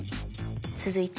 続いて。